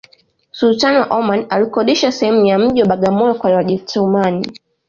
sultani wa oman alikodisha sehemu ya mji wa bagamoyo kwa wajetumani